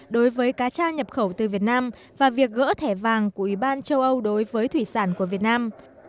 đối với cá tra nhập khẩu từ việt nam và việc gỡ thẻ vàng của ủy ban châu âu đối với thủy sản của việt nam